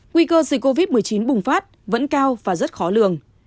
nguy cơ dịch covid một mươi chín bùng phát vẫn cao và rất khó lường